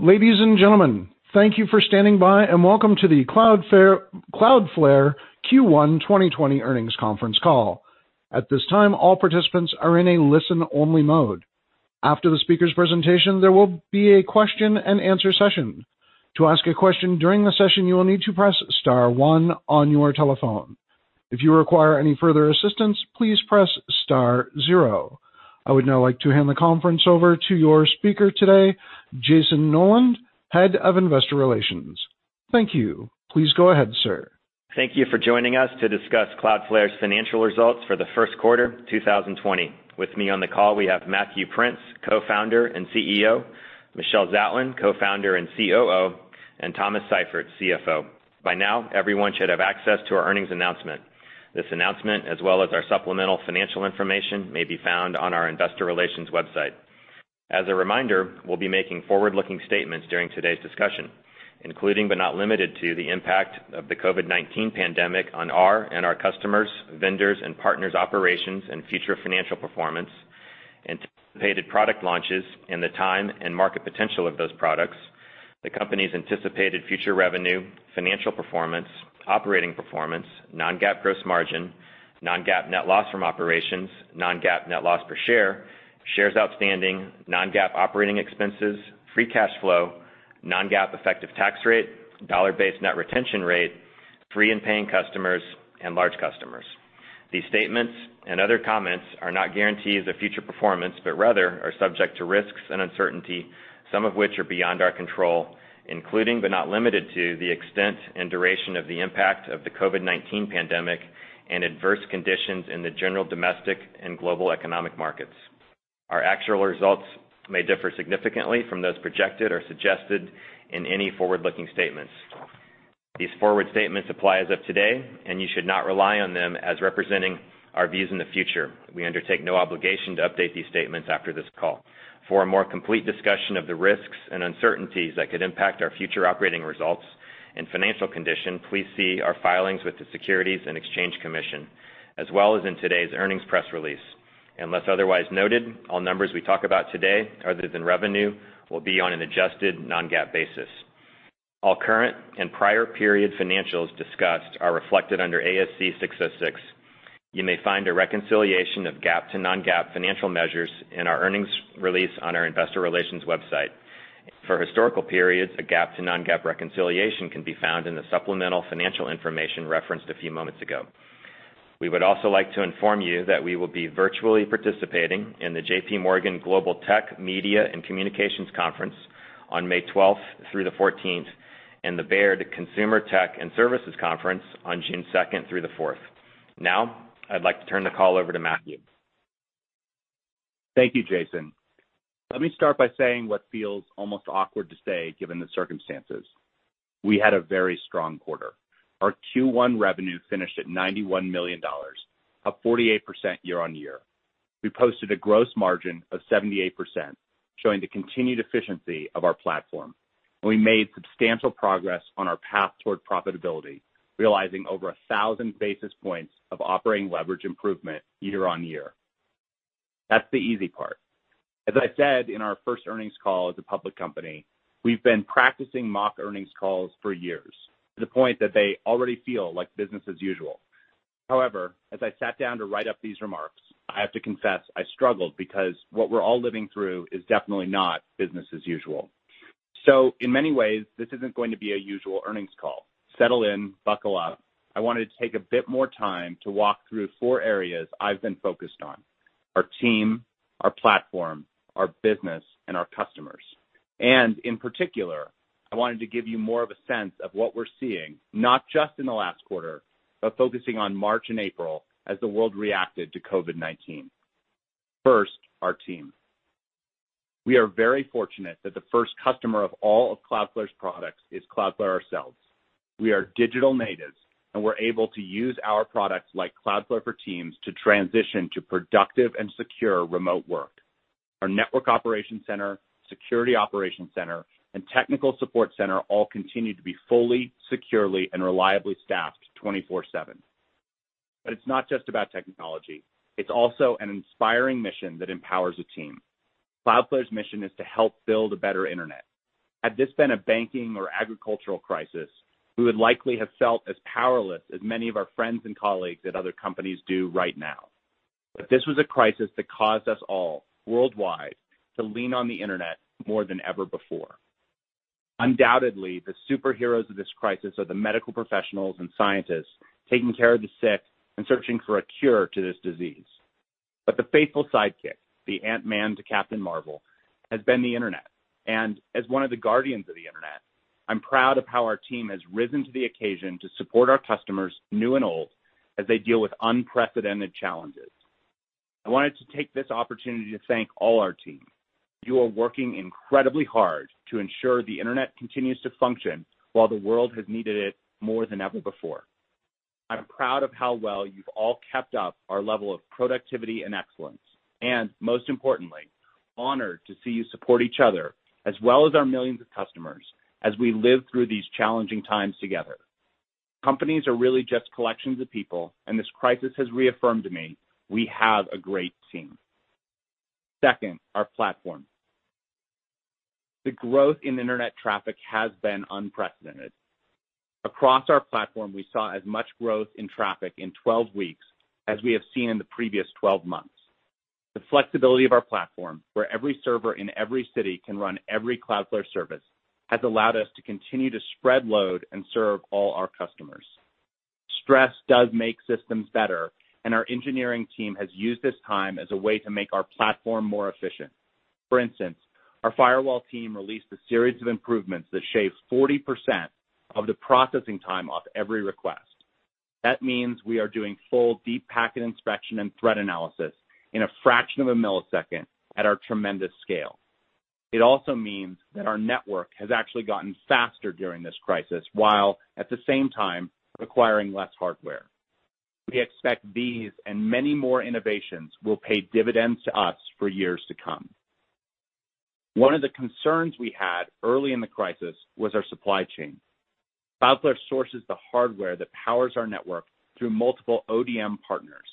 Ladies and gentlemen, thank you for standing by, and welcome to the Cloudflare Q1 2020 Earnings Conference call. At this time, all participants are in a listen-only mode. After the speaker's presentation, there will be a question-and-answer session. I would now like to hand the conference over to your speaker today, Jayson Noland, Head of Investor Relations. Thank you. Please go ahead, sir. Thank you for joining us to discuss Cloudflare's Financial Results for the First quarter 2020. With me on the call, we have Matthew Prince, Co-Founder and CEO, Michelle Zatlyn, Co-Founder and COO, and Thomas Seifert, CFO. By now, everyone should have access to our earnings announcement. This announcement, as well as our supplemental financial information, may be found on our investor relations website. As a reminder, we'll be making forward-looking statements during today's discussion, including but not limited to the impact of the COVID-19 pandemic on our and our customers, vendors, and partners' operations and future financial performance, anticipated product launches and the time and market potential of those products. The company's anticipated future revenue, financial performance, operating performance, non-GAAP gross margin, non-GAAP net loss from operations, non-GAAP net loss per share, shares outstanding, non-GAAP operating expenses, free cash flow, non-GAAP effective tax rate, dollar-based net retention rate, free and paying customers, and large customers. These statements and other comments are not guarantees of future performance, but rather are subject to risks and uncertainty, some of which are beyond our control, including but not limited to the extent and duration of the impact of the COVID-19 pandemic and adverse conditions in the general domestic and global economic markets. Our actual results may differ significantly from those projected or suggested in any forward-looking statements. These forward statements apply as of today, and you should not rely on them as representing our views in the future. We undertake no obligation to update these statements after this call. For a more complete discussion of the risks and uncertainties that could impact our future operating results and financial condition, please see our filings with the Securities and Exchange Commission, as well as in today's earnings press release. Unless otherwise noted, all numbers we talk about today, other than revenue, will be on an adjusted non-GAAP basis. All current and prior period financials discussed are reflected under ASC 606. You may find a reconciliation of GAAP to non-GAAP financial measures in our earnings release on our investor relations website. For historical periods, a GAAP to non-GAAP reconciliation can be found in the supplemental financial information referenced a few moments ago. We would also like to inform you that we will be virtually participating in the JPMorgan Global Technology, Media and Communications Conference on May 12th through the 14th, and the Baird Consumer, Technology & Services Conference on June 2nd through the 4th. I'd like to turn the call over to Matthew. Thank you, Jayson. Let me start by saying what feels almost awkward to say given the circumstances. We had a very strong quarter. Our Q1 revenue finished at $91 million, up 48% year-over-year. We posted a gross margin of 78%, showing the continued efficiency of our platform. We made substantial progress on our path toward profitability, realizing over 1,000 basis points of operating leverage improvement year-over-year. That's the easy part. As I said in our first earnings call as a public company, we've been practicing mock earnings calls for years, to the point that they already feel like business as usual. However, as I sat down to write up these remarks, I have to confess I struggled because what we're all living through is definitely not business as usual. In many ways, this isn't going to be a usual earnings call. Settle in, buckle up. I wanted to take a bit more time to walk through four areas I've been focused on: our team, our platform, our business, and our customers. In particular, I wanted to give you more of a sense of what we're seeing, not just in the last quarter, but focusing on March and April as the world reacted to COVID-19. First, our team. We are very fortunate that the first customer of all of Cloudflare's products is Cloudflare ourselves. We are digital natives, and we're able to use our products like Cloudflare for Teams to transition to productive and secure remote work. Our Network Operations Center, Security Operations Center, and Technical Support Center all continue to be fully, securely, and reliably staffed 24/7. It's not just about technology. It's also an inspiring mission that empowers a team. Cloudflare's mission is to help build a better internet. Had this been a banking or agricultural crisis, we would likely have felt as powerless as many of our friends and colleagues at other companies do right now. This was a crisis that caused us all worldwide to lean on the internet more than ever before. Undoubtedly, the superheroes of this crisis are the medical professionals and scientists taking care of the sick and searching for a cure to this disease. The faithful sidekick, the Ant-Man to Captain Marvel, has been the internet. As one of the guardians of the internet, I'm proud of how our team has risen to the occasion to support our customers, new and old, as they deal with unprecedented challenges. I wanted to take this opportunity to thank all our team. You are working incredibly hard to ensure the Internet continues to function while the world has needed it more than ever before. I'm proud of how well you've all kept up our level of productivity and excellence, and most importantly, honored to see you support each other as well as our millions of customers as we live through these challenging times together. Companies are really just collections of people, and this crisis has reaffirmed to me we have a great team. Second, our platform. The growth in internet traffic has been unprecedented. Across our platform, we saw as much growth in traffic in 12 weeks as we have seen in the previous 12 months. The flexibility of our platform, where every server in every city can run every Cloudflare service, has allowed us to continue to spread load and serve all our customers. Stress does make systems better. Our engineering team has used this time as a way to make our platform more efficient. For instance, our firewall team released a series of improvements that shaves 40% of the processing time off every request. That means we are doing full deep packet inspection and threat analysis in a fraction of a millisecond at our tremendous scale. It also means that our network has actually gotten faster during this crisis, while at the same time requiring less hardware. We expect these and many more innovations will pay dividends to us for years to come. One of the concerns we had early in the crisis was our supply chain. Cloudflare sources the hardware that powers our network through multiple ODM partners.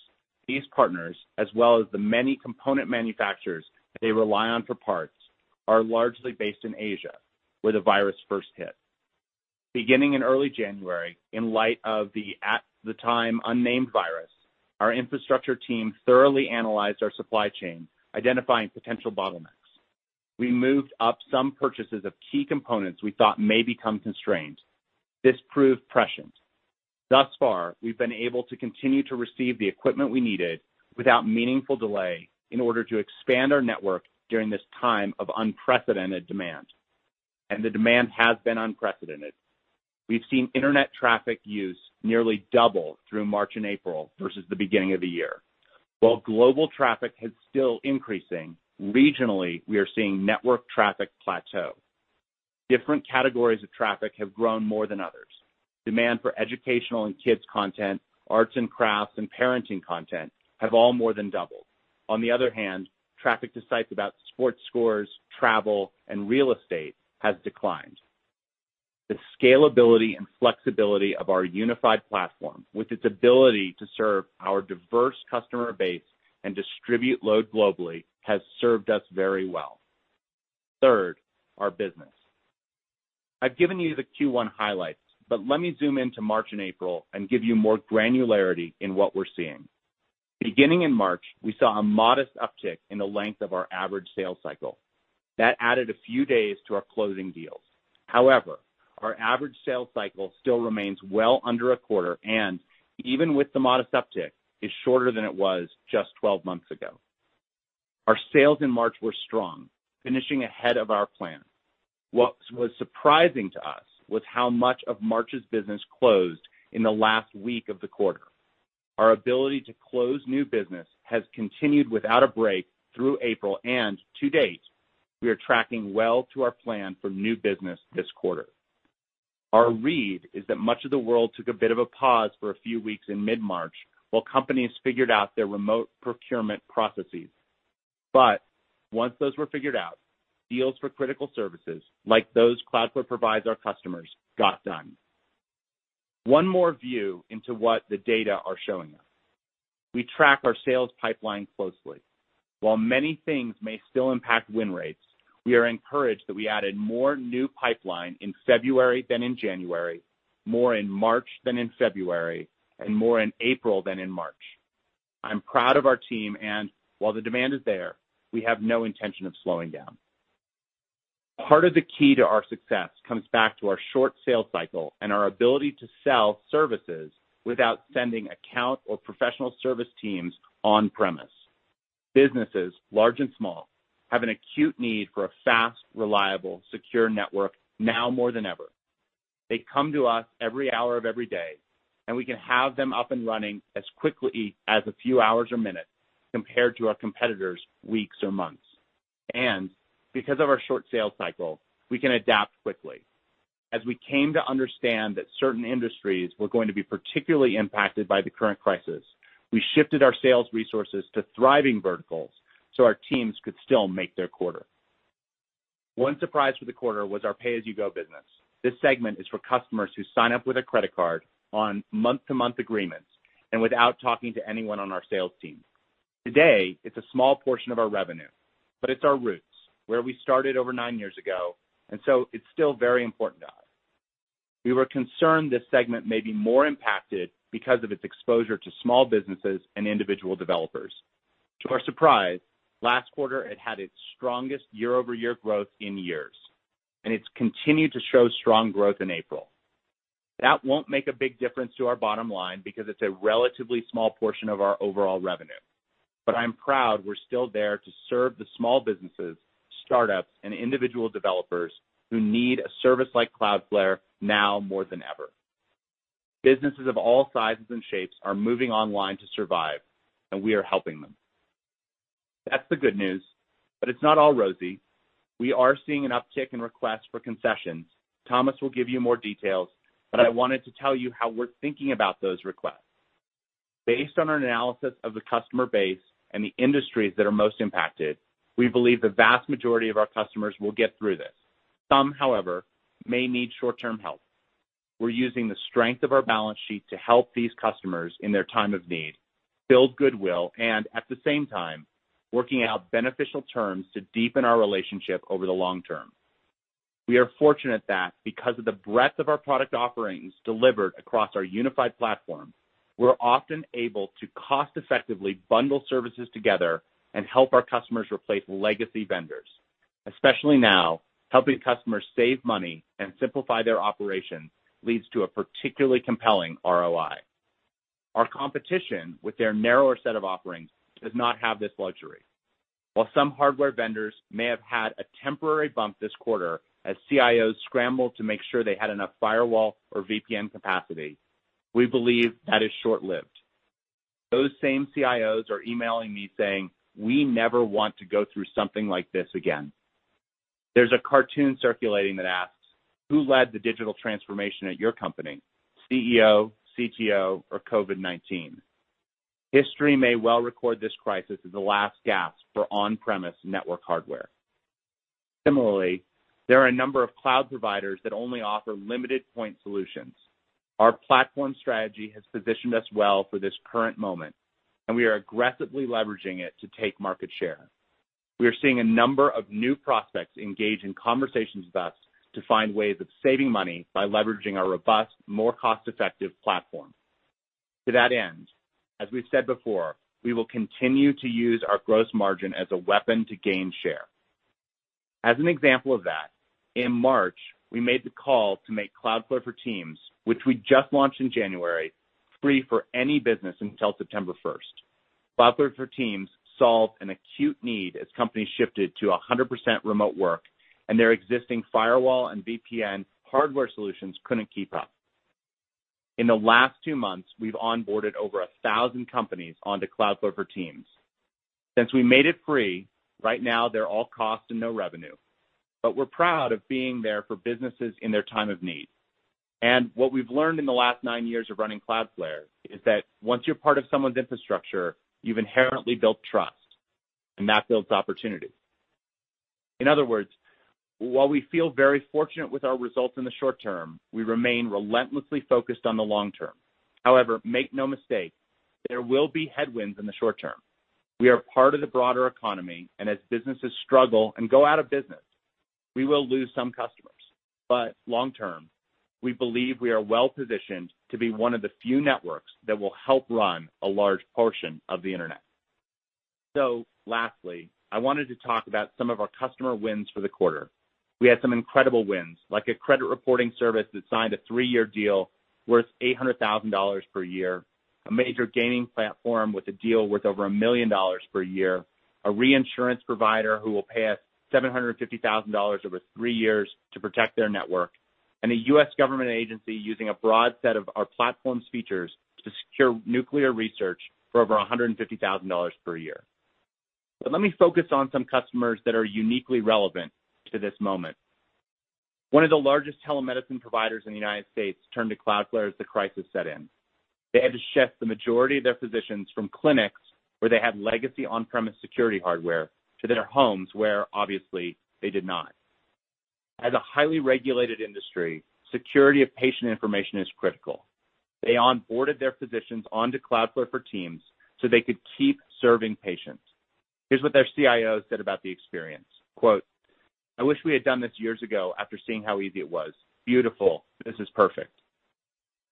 These partners, as well as the many component manufacturers they rely on for parts, are largely based in Asia, where the virus first hit. Beginning in early January, in light of the at-the-time unnamed virus, our infrastructure team thoroughly analyzed our supply chain, identifying potential bottlenecks. We moved up some purchases of key components we thought may become constrained. This proved prescient. Thus far, we've been able to continue to receive the equipment we needed without meaningful delay in order to expand our network during this time of unprecedented demand, and the demand has been unprecedented. We've seen Internet traffic use nearly double through March and April versus the beginning of the year. While global traffic is still increasing, regionally, we are seeing network traffic plateau. Different categories of traffic have grown more than others. Demand for educational and kids content, arts and crafts, and parenting content have all more than doubled. Traffic to sites about sports scores, travel, and real estate has declined. The scalability and flexibility of our unified platform with its ability to serve our diverse customer base and distribute load globally has served us very well. Our business. I've given you the Q1 highlights, let me zoom in to March and April and give you more granularity in what we're seeing. Beginning in March, we saw a modest uptick in the length of our average sales cycle. That added a few days to our closing deals. Our average sales cycle still remains well under a quarter, and even with the modest uptick, is shorter than it was just 12 months ago. Our sales in March were strong, finishing ahead of our plan. What was surprising to us was how much of March's business closed in the last week of the quarter. Our ability to close new business has continued without a break through April, and to date, we are tracking well to our plan for new business this quarter. Our read is that much of the world took a bit of a pause for a few weeks in mid-March while companies figured out their remote procurement processes. Once those were figured out, deals for critical services like those Cloudflare provides our customers got done. One more view into what the data are showing us. We track our sales pipeline closely. While many things may still impact win rates, we are encouraged that we added more new pipeline in February than in January, more in March than in February, and more in April than in March. I'm proud of our team, and while the demand is there, we have no intention of slowing down. Part of the key to our success comes back to our short sales cycle and our ability to sell services without sending account or professional service teams on premise. Businesses, large and small, have an acute need for a fast, reliable, secure network now more than ever. They come to us every hour of every day, and we can have them up and running as quickly as a few hours or minutes compared to our competitors' weeks or months. Because of our short sales cycle, we can adapt quickly. As we came to understand that certain industries were going to be particularly impacted by the current crisis, we shifted our sales resources to thriving verticals so our teams could still make their quarter. One surprise for the quarter was our pay-as-you-go business. This segment is for customers who sign up with a credit card on month-to-month agreements and without talking to anyone on our sales team. Today, it's a small portion of our revenue, but it's our roots, where we started over nine years ago, and so it's still very important to us. We were concerned this segment may be more impacted because of its exposure to small businesses and individual developers. To our surprise, last quarter, it had its strongest year-over-year growth in years, and it's continued to show strong growth in April. That won't make a big difference to our bottom line because it's a relatively small portion of our overall revenue. But I'm proud we're still there to serve the small businesses, startups, and individual developers who need a service like Cloudflare now more than ever. Businesses of all sizes and shapes are moving online to survive, and we are helping them. That's the good news, but it's not all rosy. We are seeing an uptick in requests for concessions. Thomas will give you more details, but I wanted to tell you how we're thinking about those requests. Based on our analysis of the customer base and the industries that are most impacted, we believe the vast majority of our customers will get through this. Some, however, may need short-term help. We're using the strength of our balance sheet to help these customers in their time of need, build goodwill, and at the same time, working out beneficial terms to deepen our relationship over the long term. We are fortunate that because of the breadth of our product offerings delivered across our unified platform, we're often able to cost-effectively bundle services together and help our customers replace legacy vendors. Especially now, helping customers save money and simplify their operations leads to a particularly compelling ROI. Our competition, with their narrower set of offerings, does not have this luxury. While some hardware vendors may have had a temporary bump this quarter as CIOs scrambled to make sure they had enough firewall or VPN capacity, we believe that is short-lived. Those same CIOs are emailing me saying, "We never want to go through something like this again." There's a cartoon circulating that asks, "Who led the digital transformation at your company? CEO, CTO, or COVID-19?" History may well record this crisis as the last gasp for on-premise network hardware. Similarly, there are a number of cloud providers that only offer limited point solutions. Our platform strategy has positioned us well for this current moment, and we are aggressively leveraging it to take market share. We are seeing a number of new prospects engage in conversations with us to find ways of saving money by leveraging our robust, more cost-effective platform. To that end, as we've said before, we will continue to use our gross margin as a weapon to gain share. As an example of that, in March, we made the call to make Cloudflare for Teams, which we just launched in January, free for any business until September 1st. Cloudflare for Teams solved an acute need as companies shifted to 100% remote work, and their existing firewall and VPN hardware solutions couldn't keep up. In the last two months, we've onboarded over 1,000 companies onto Cloudflare for Teams. Since we made it free, right now they're all cost and no revenue. We're proud of being there for businesses in their time of need. What we've learned in the last nine years of running Cloudflare is that once you're part of someone's infrastructure, you've inherently built trust, and that builds opportunity. In other words, while we feel very fortunate with our results in the short term, we remain relentlessly focused on the long term. However, make no mistake, there will be headwinds in the short term. We are part of the broader economy, and as businesses struggle and go out of business, we will lose some customers. Long term, we believe we are well-positioned to be one of the few networks that will help run a large portion of the internet. Lastly, I wanted to talk about some of our customer wins for the quarter. We had some incredible wins, like a credit reporting service that signed a three-year deal worth $800,000 per year, a major gaming platform with a deal worth over $1 million per year, a reinsurance provider who will pay us $750,000 over three years to protect their network, and a US government agency using a broad set of our platform's features to secure nuclear research for over $150,000 per year. Let me focus on some customers that are uniquely relevant to this moment. One of the largest telemedicine providers in the United States turned to Cloudflare as the crisis set in. They had to shift the majority of their physicians from clinics, where they had legacy on-premise security hardware, to their homes where, obviously, they did not. As a highly regulated industry, security of patient information is critical. They onboarded their physicians onto Cloudflare for Teams so they could keep serving patients. Here's what their CIO said about the experience. Quote, "I wish we had done this years ago after seeing how easy it was. Beautiful. This is perfect."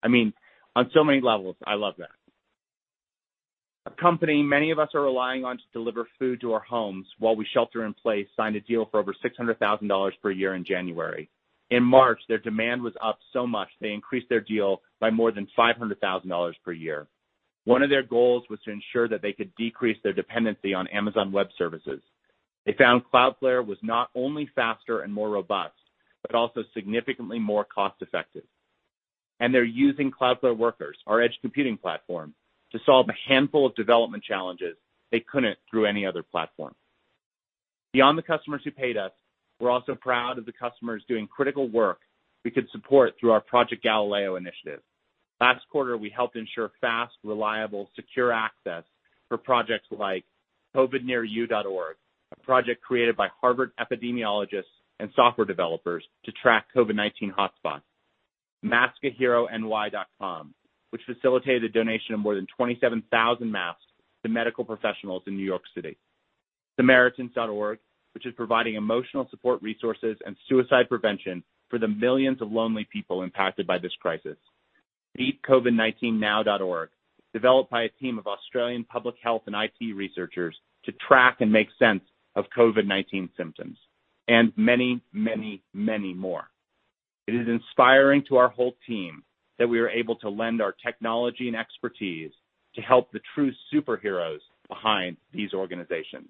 I mean, on so many levels, I love that. A company many of us are relying on to deliver food to our homes while we shelter in place signed a deal for over $600,000 per year in January. In March, their demand was up so much they increased their deal by more than $500,000 per year. One of their goals was to ensure that they could decrease their dependency on Amazon Web Services. They found Cloudflare was not only faster and more robust, but also significantly more cost-effective. They're using Cloudflare Workers, our edge computing platform, to solve a handful of development challenges they couldn't through any other platform. Beyond the customers who paid us, we're also proud of the customers doing critical work we could support through our Project Galileo initiative. Last quarter, we helped ensure fast, reliable, secure access for projects like covidnearyou.org, a project created by Harvard epidemiologists and software developers to track COVID-19 hotspots. maskaherony.com, which facilitated the donation of more than 27,000 masks to medical professionals in New York City. samaritans.org, which is providing emotional support resources and suicide prevention for the millions of lonely people impacted by this crisis. Beatcovid19now.org, developed by a team of Australian public health and IT researchers to track and make sense of COVID-19 symptoms. Many, many, many more. It is inspiring to our whole team that we are able to lend our technology and expertise to help the true superheroes behind these organizations.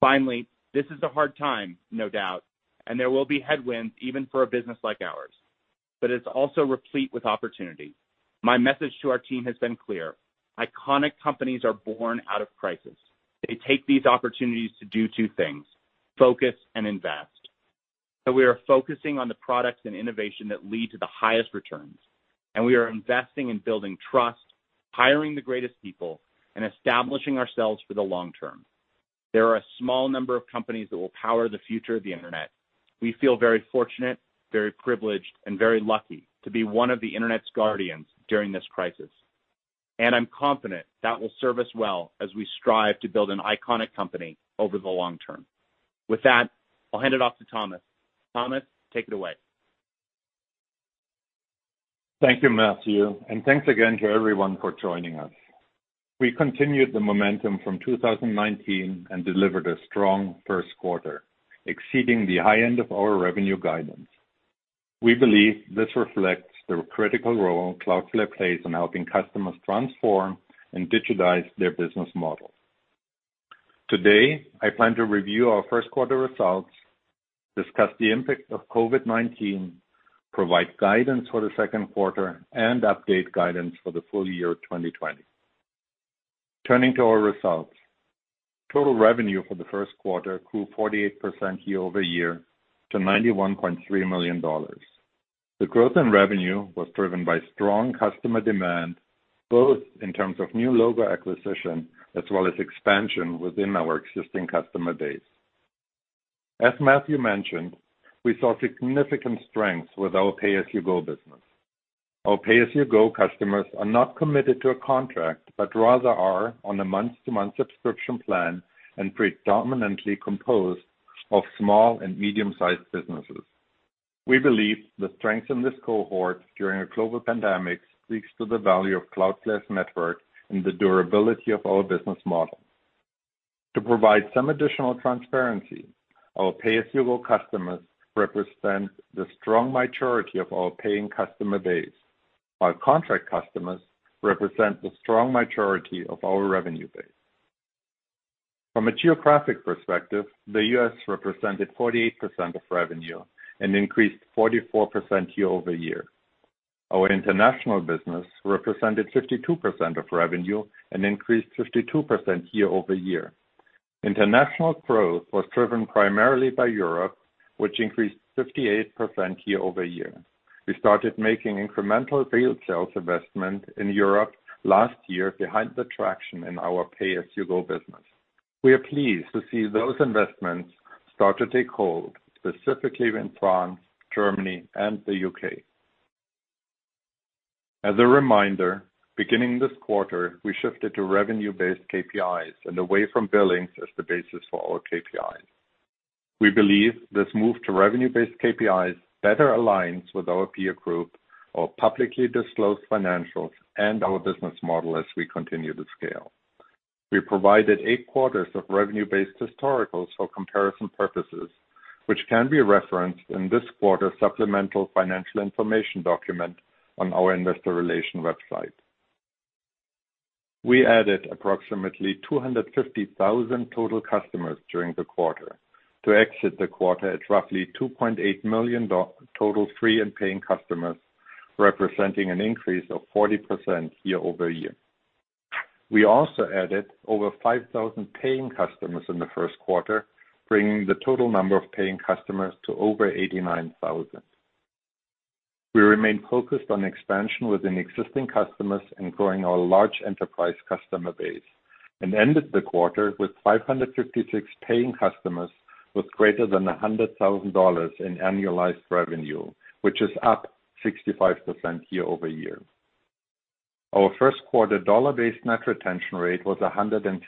Finally, this is a hard time, no doubt, and there will be headwinds even for a business like ours. It's also replete with opportunity. My message to our team has been clear: Iconic companies are born out of crisis. They take these opportunities to do two things. Focus and invest. We are focusing on the products and innovation that lead to the highest returns, and we are investing in building trust, hiring the greatest people, and establishing ourselves for the long term. There are a small number of companies that will power the future of the internet. We feel very fortunate, very privileged, and very lucky to be one of the internet's guardians during this crisis, and I'm confident that will serve us well as we strive to build an iconic company over the long term. With that, I'll hand it off to Thomas. Thomas, take it away. Thank you, Matthew, and thanks again to everyone for joining us. We continued the momentum from 2019 and delivered a strong first quarter, exceeding the high end of our revenue guidance. We believe this reflects the critical role Cloudflare plays in helping customers transform and digitize their business model. Today, I plan to review our first quarter results, discuss the impact of COVID-19, provide guidance for the second quarter, and update guidance for the full year 2020. Turning to our results. Total revenue for the first quarter grew 48% year-over-year to $91.3 million. The growth in revenue was driven by strong customer demand, both in terms of new logo acquisition as well as expansion within our existing customer base. As Matthew mentioned, we saw significant strength with our pay-as-you-go business. Our pay-as-you-go customers are not committed to a contract, but rather are on a month-to-month subscription plan and predominantly composed of small and medium-sized businesses. We believe the strength in this cohort during a global pandemic speaks to the value of Cloudflare's network and the durability of our business model. To provide some additional transparency, our pay-as-you-go customers represent the strong majority of our paying customer base, while contract customers represent the strong majority of our revenue base. From a geographic perspective, the U.S. represented 48% of revenue and increased 44% year-over-year. Our international business represented 52% of revenue and increased 52% year-over-year. International growth was driven primarily by Europe, which increased 58% year-over-year. We started making incremental field sales investment in Europe last year behind the traction in our pay-as-you-go business. We are pleased to see those investments start to take hold, specifically in France, Germany, and the U.K. As a reminder, beginning this quarter, we shifted to revenue-based KPIs and away from billings as the basis for our KPIs. We believe this move to revenue-based KPIs better aligns with our peer group, our publicly disclosed financials, and our business model as we continue to scale. We provided eight quarters of revenue-based historicals for comparison purposes, which can be referenced in this quarter's supplemental financial information document on our investor relations website. We added approximately 250,000 total customers during the quarter to exit the quarter at roughly 2.8 million total free and paying customers, representing an increase of 40% year-over-year. We also added over 5,000 paying customers in the first quarter, bringing the total number of paying customers to over 89,000. We remain focused on expansion within existing customers and growing our large enterprise customer base and ended the quarter with 556 paying customers with greater than $100,000 in annualized revenue, which is up 65% year-over-year. Our first quarter dollar-based net retention rate was 117%,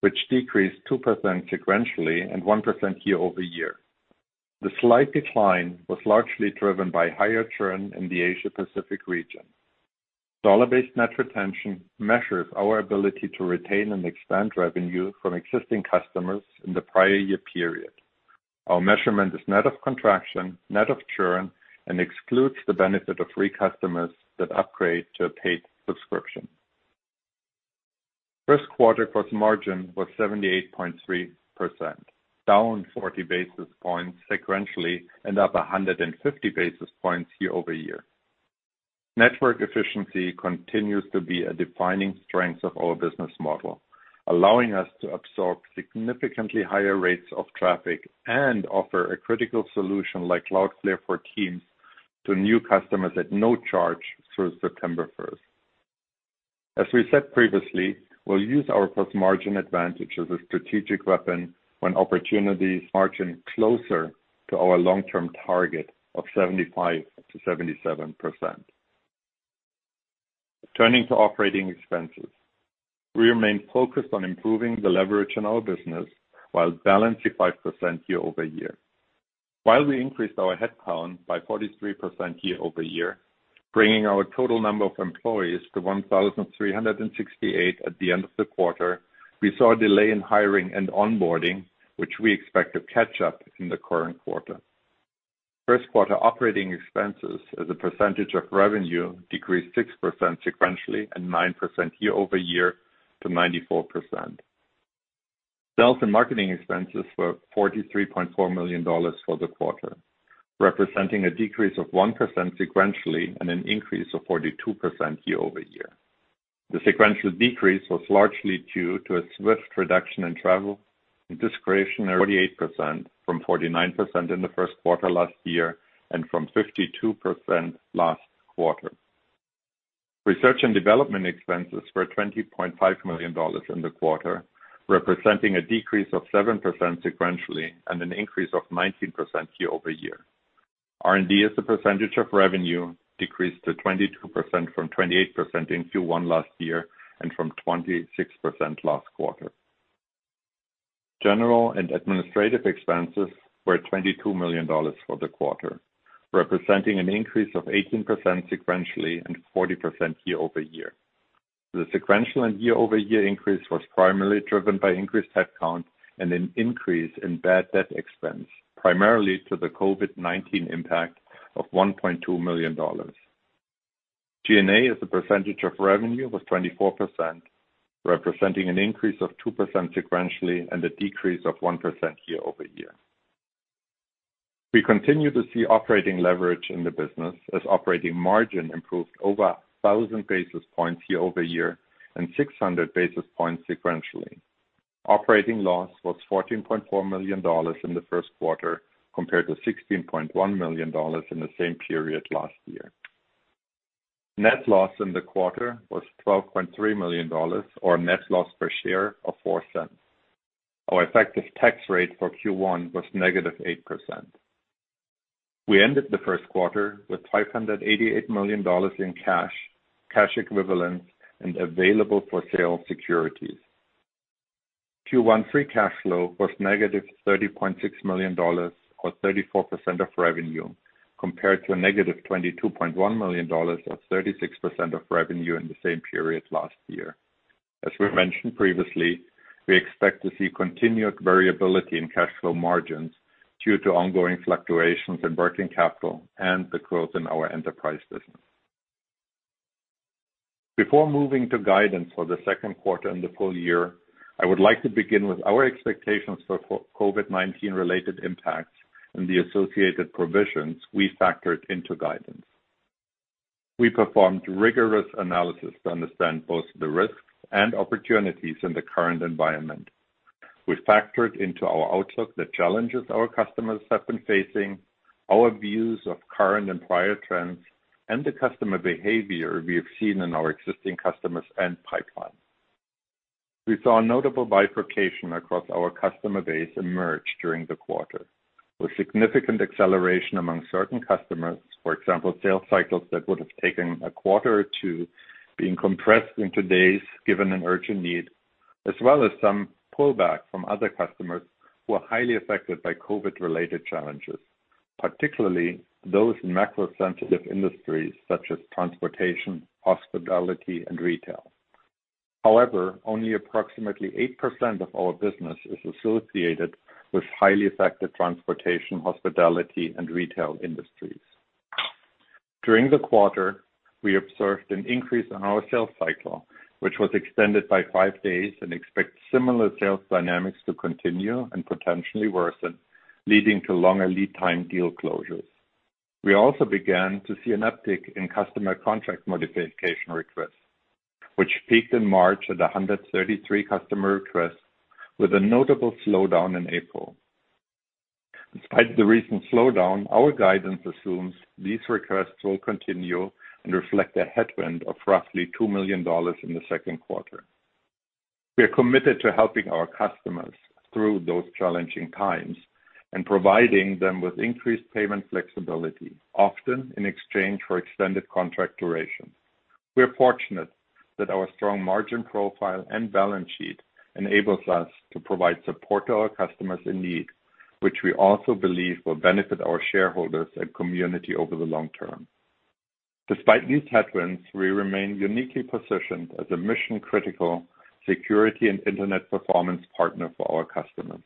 which decreased 2% sequentially and 1% year-over-year. The slight decline was largely driven by higher churn in the Asia Pacific region. Dollar-based net retention measures our ability to retain and expand revenue from existing customers in the prior year period. Our measurement is net of contraction, net of churn, and excludes the benefit of free customers that upgrade to a paid subscription. First quarter gross margin was 78.3%, down 40 basis points sequentially and up 150 basis points year-over-year. Network efficiency continues to be a defining strength of our business model, allowing us to absorb significantly higher rates of traffic and offer a critical solution like Cloudflare for Teams to new customers at no charge through September 1st. As we said previously, we'll use our gross margin advantage as a strategic weapon when opportunities margin closer to our long-term target of 75%-77%. Turning to operating expenses. We remain focused on improving the leverage in our business while balancing 5% year-over-year. While we increased our headcount by 43% year-over-year, bringing our total number of employees to 1,368 at the end of the quarter, we saw a delay in hiring and onboarding, which we expect to catch up in the current quarter. First quarter operating expenses as a percentage of revenue decreased 6% sequentially and 9% year-over-year to 94%. Sales and marketing expenses were $43.4 million for the quarter, representing a decrease of 1% sequentially and an increase of 42% year-over-year. The sequential decrease was largely due to a swift reduction in travel and discretionary 48% from 49% in the first quarter last year and from 52% last quarter. Research and development expenses were $20.5 million in the quarter, representing a decrease of 7% sequentially and an increase of 19% year-over-year. R&D as a percentage of revenue decreased to 22% from 28% in Q1 last year and from 26% last quarter. General and administrative expenses were $22 million for the quarter, representing an increase of 18% sequentially and 40% year-over-year. The sequential and year-over-year increase was primarily driven by increased headcount and an increase in bad debt expense, primarily to the COVID-19 impact of $1.2 million. G&A as a percentage of revenue was 24%, representing an increase of 2% sequentially and a decrease of 1% year-over-year. We continue to see operating leverage in the business as operating margin improved over 1,000 basis points year-over-year and 600 basis points sequentially. Operating loss was $14.4 million in the first quarter compared to $16.1 million in the same period last year. Net loss in the quarter was $12.3 million, or a net loss per share of $0.04. Our effective tax rate for Q1 was -8%. We ended the first quarter with $588 million in cash equivalents, and available for sale securities. Q1 free cash flow was -$30.6 million or 34% of revenue, compared to a -$22.1 million or 36% of revenue in the same period last year. As we mentioned previously, we expect to see continued variability in cash flow margins due to ongoing fluctuations in working capital and the growth in our enterprise business. Before moving to guidance for the second quarter and the full year, I would like to begin with our expectations for COVID-19-related impacts and the associated provisions we factored into guidance. We performed rigorous analysis to understand both the risks and opportunities in the current environment. We factored into our outlook the challenges our customers have been facing, our views of current and prior trends, and the customer behavior we have seen in our existing customers and pipeline. We saw a notable bifurcation across our customer base emerge during the quarter, with significant acceleration among certain customers. For example, sales cycles that would have taken a quarter or two being compressed into days given an urgent need, as well as some pullback from other customers who are highly affected by COVID-related challenges, particularly those in macro-sensitive industries such as transportation, hospitality, and retail. However, only approximately 8% of our business is associated with highly affected transportation, hospitality, and retail industries. During the quarter, we observed an increase in our sales cycle, which was extended by five days and expect similar sales dynamics to continue and potentially worsen, leading to longer lead time deal closures. We also began to see an uptick in customer contract modification requests, which peaked in March at 133 customer requests with a notable slowdown in April. Despite the recent slowdown, our guidance assumes these requests will continue and reflect a headwind of roughly $2 million in the second quarter. We are committed to helping our customers through those challenging times and providing them with increased payment flexibility, often in exchange for extended contract duration. We are fortunate that our strong margin profile and balance sheet enables us to provide support to our customers in need, which we also believe will benefit our shareholders and community over the long term. Despite these headwinds, we remain uniquely positioned as a mission-critical security and internet performance partner for our customers.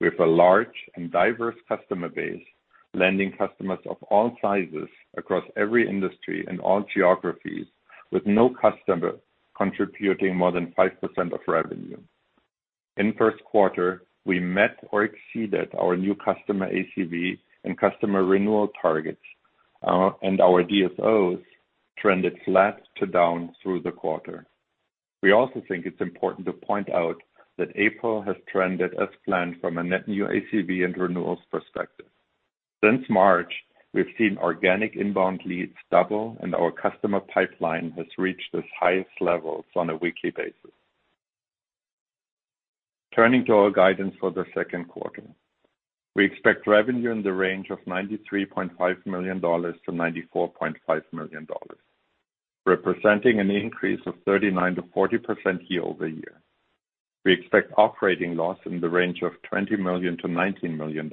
We have a large and diverse customer base, lending customers of all sizes across every industry and all geographies, with no customer contributing more than 5% of revenue. In first quarter, we met or exceeded our new customer ACV and customer renewal targets, and our DSOs trended flat to down through the quarter. We also think it's important to point out that April has trended as planned from a net new ACV and renewals perspective. Since March, we've seen organic inbound leads double, and our customer pipeline has reached its highest levels on a weekly basis. Turning to our guidance for the second quarter. We expect revenue in the range of $93.5 million-$94.5 million, representing an increase of 39%-40% year-over-year. We expect operating loss in the range of $20 million-$19 million.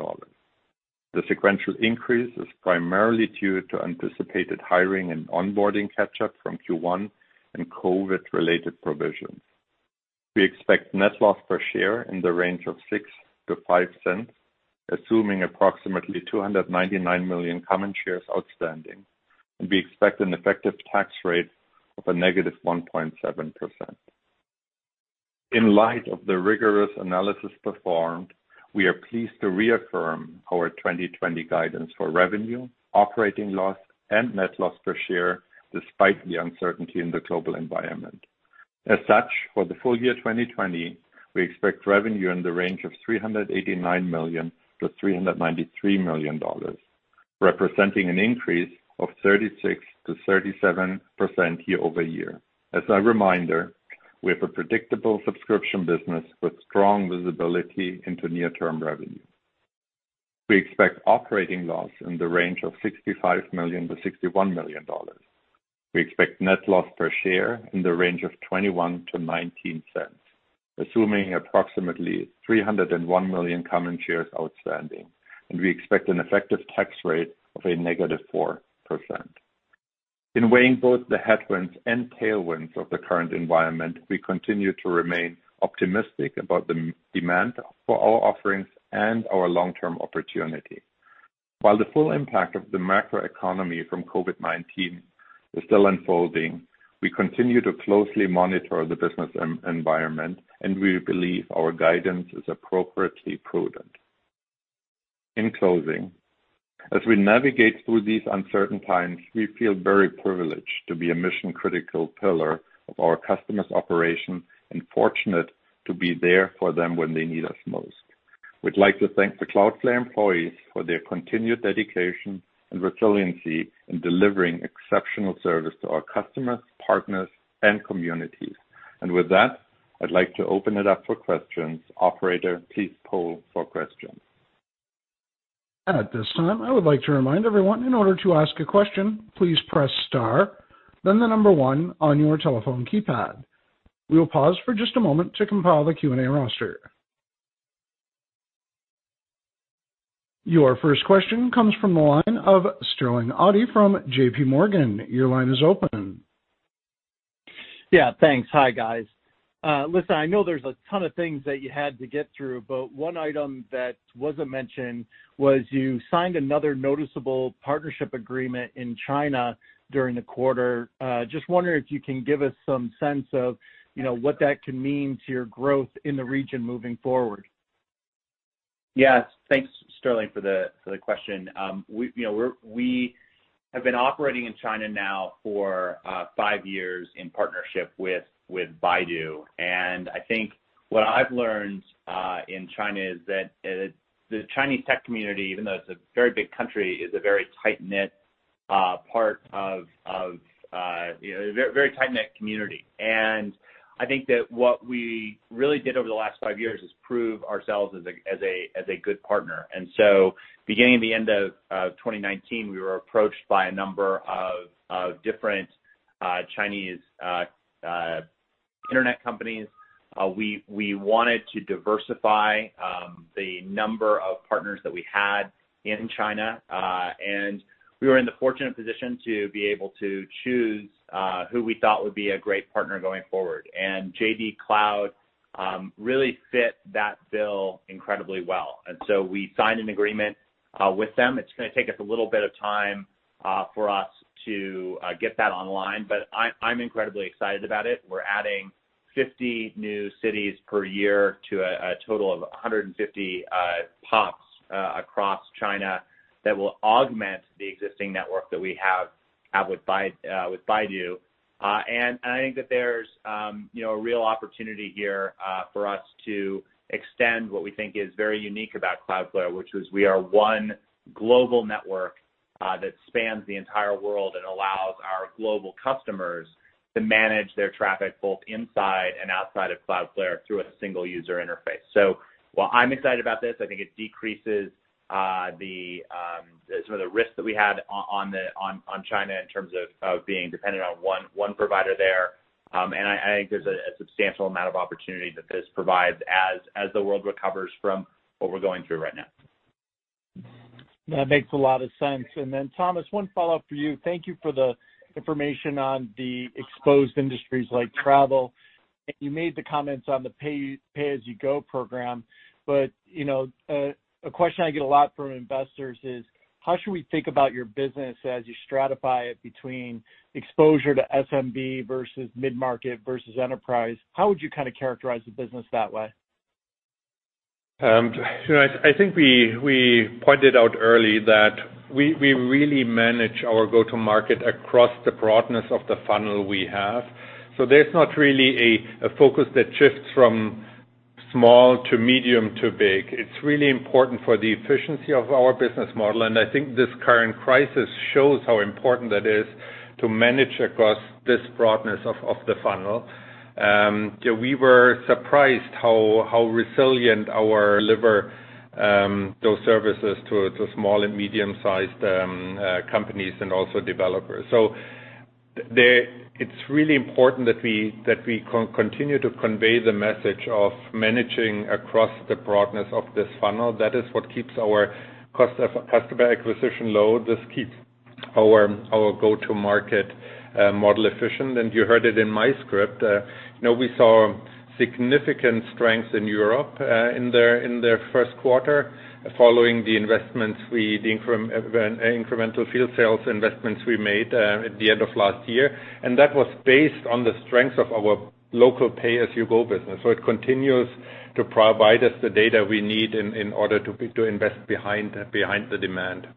The sequential increase is primarily due to anticipated hiring and onboarding catch-up from Q1 and COVID-related provisions. We expect net loss per share in the range of $0.06-$0.05, assuming approximately 299 million common shares outstanding, and we expect an effective tax rate of a negative 1.7%. In light of the rigorous analysis performed, we are pleased to reaffirm our 2020 guidance for revenue, operating loss, and net loss per share despite the uncertainty in the global environment. As such, for the full year 2020, we expect revenue in the range of $389 million-$393 million, representing an increase of 36%-37% year-over-year. As a reminder, we have a predictable subscription business with strong visibility into near-term revenue. We expect operating loss in the range of $65 million-$61 million. We expect net loss per share in the range of $0.21-$0.19, assuming approximately 301 million common shares outstanding, and we expect an effective tax rate of a negative 4%. In weighing both the headwinds and tailwinds of the current environment, we continue to remain optimistic about the demand for our offerings and our long-term opportunity. While the full impact of the macroeconomy from COVID-19 is still unfolding, we continue to closely monitor the business environment, and we believe our guidance is appropriately prudent. In closing, as we navigate through these uncertain times, we feel very privileged to be a mission-critical pillar of our customers' operations and fortunate to be there for them when they need us most. We'd like to thank the Cloudflare employees for their continued dedication and resiliency in delivering exceptional service to our customers, partners, and communities. With that, I'd like to open it up for questions. Operator, please poll for questions. At this time, I would like to remind everyone, in order to ask a question, please press star, then the number one on your telephone keypad. We will pause for just a moment to compile the Q&A roster. Your first question comes from the line of Sterling Auty from JPMorgan. Your line is open. Yeah, thanks. Hi, guys. Listen, I know there's a ton of things that you had to get through, but one item that wasn't mentioned was you signed another noticeable partnership agreement in China during the quarter. Just wondering if you can give us some sense of, you know, what that can mean to your growth in the region moving forward. Yes. Thanks, Sterling, for the question. We, you know, we have been operating in China now for five years in partnership with Baidu. I think what I've learned in China is that the Chinese tech community, even though it's a very big country, is a very tight-knit part of, you know, a very tight-knit community. I think that what we really did over the last five years is prove ourselves as a good partner. Beginning of the end of 2019, we were approached by a number of different Chinese internet companies. We wanted to diversify the number of partners that we had in China. We were in the fortunate position to be able to choose who we thought would be a great partner going forward. JD Cloud really fit that bill incredibly well. We signed an agreement with them. It's gonna take us a little bit of time for us to get that online, but I'm incredibly excited about it. We're adding 50 new cities per year to a total of 150 POPs across China that will augment the existing network that we have with Baidu. I think that there's, you know, a real opportunity here for us to extend what we think is very unique about Cloudflare, which was we are one global network that spans the entire world and allows our global customers to manage their traffic both inside and outside of Cloudflare through a single user interface. While I'm excited about this, I think it decreases some of the risks that we had on China in terms of being dependent on one provider there. I think there's a substantial amount of opportunity that this provides as the world recovers from what we're going through right now. That makes a lot of sense. Thomas, one follow-up for you. Thank you for the information on the exposed industries like travel. You made the comments on the pay-as-you-go program. You know, a question I get a lot from investors is: How should we think about your business as you stratify it between exposure to SMB versus mid-market versus enterprise? How would you kind of characterize the business that way? You know, I think we pointed out early that we really manage our go-to-market across the broadness of the funnel we have. There's not really a focus that shifts from small to medium to big. It's really important for the efficiency of our business model, and I think this current crisis shows how important that is to manage across this broadness of the funnel. You know, we were surprised how resilient our deliver those services to small and medium-sized companies and also developers. It's really important that we continue to convey the message of managing across the broadness of this funnel. That is what keeps our cost of customer acquisition low. Our go-to market model efficient, and you heard it in my script. You know, we saw significant strength in Europe, in their first quarter following the investments we, the incremental field sales investments we made at the end of last year. That was based on the strength of our local pay-as-you-go business. It continues to provide us the data we need in order to invest behind the demand.